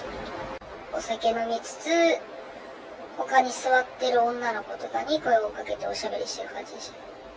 お酒を飲みつつ、ほかに座っている女の子とかに声をかけておしゃべりしている感じ